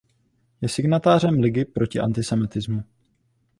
Je signatářem Ligy proti antisemitismu.